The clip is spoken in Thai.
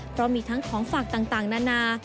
เพราะมีทั้งของฝากต่างนานา